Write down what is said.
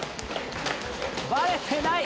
バレてない！